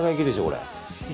これ。